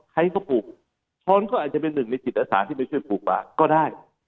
ใครก็ปลูกช้อนก็อาจจะเป็นหนึ่งในจิตอาสาที่ไปช่วยปลูกป่าก็ได้